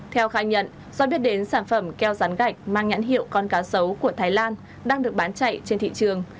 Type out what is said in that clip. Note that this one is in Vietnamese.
theo khai nhận do biết đến sản phẩm keo rán gạch mang nhãn hiệu con cá sấu của thái lan đang được bán chạy trên thị trường